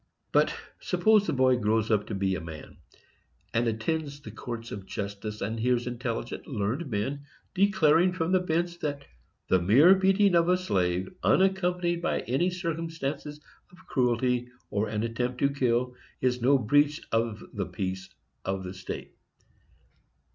But suppose the boy grows up to be a man, and attends the courts of justice, and hears intelligent, learned men declaring from the bench that "the mere beating of a slave, unaccompanied by any circumstances of cruelty, or an attempt to kill, is no breach of the peace of the state."